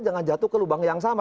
jangan jatuh ke lubang yang sama